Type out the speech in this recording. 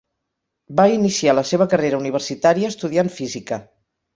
Va iniciar la seva carrera universitària estudiant Física.